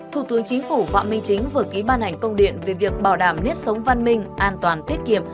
thủ tướng chính phủ phạm minh chính vừa ký ban hành công điện về việc bảo đảm nếp sống văn minh an toàn tiết kiệm